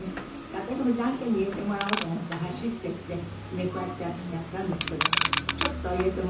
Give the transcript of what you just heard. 私もジャンケンに入れてもらおうと思って走ってってこうやってやったんですけどちょっと入れてもらえなくて。